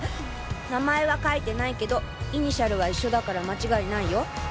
名前は書いてないけどイニシャルは一緒だから間違いないよ。